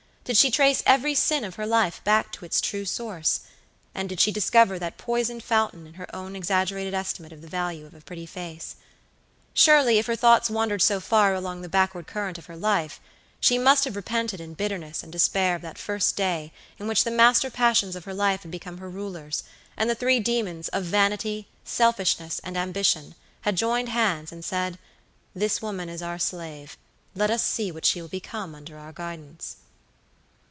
Did she trace every sin of her life back to its true source? and did she discover that poisoned fountain in her own exaggerated estimate of the value of a pretty face? Surely, if her thoughts wandered so far along the backward current of her life, she must have repented in bitterness and despair of that first day in which the master passions of her life had become her rulers, and the three demons of Vanity, Selfishness, and Ambition, had joined hands and said, "This woman is our slave, let us see what she will become under our guidance."